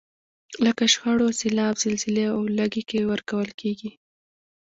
لکه شخړو، سیلاب، زلزلې او ولږې کې ورکول کیږي.